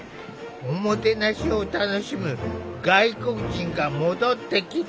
“おもてなし”を楽しむ外国人が戻ってきた。